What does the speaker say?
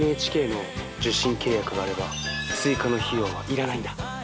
ＮＨＫの受信契約があれば追加の費用は要らないんだ。